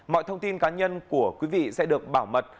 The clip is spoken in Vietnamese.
mọi thông tin cá nhân của quý vị sẽ được bảo mật